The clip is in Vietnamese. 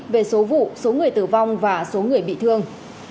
về số vụ số người tử vong và số người bị thương